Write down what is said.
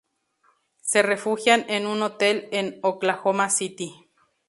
Se refugian en un hotel en Oklahoma City.